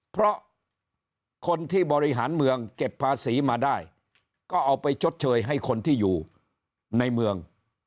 เพราะคนที่บริหารเมืองเก็บภาษีมาได้ก็เอาไปชดเชยให้คนที่อยู่ในเมือง